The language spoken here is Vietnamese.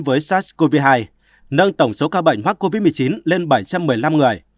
với sars cov hai nâng tổng số ca bệnh mắc covid một mươi chín lên bảy trăm một mươi năm người